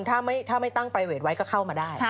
ถ้าไม่ตั้งปลายเวทไว้ก็เข้ามาได้